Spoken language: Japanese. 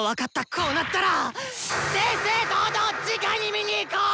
こうなったら正々堂々じかに見に行こう！